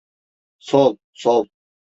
Sol, sol.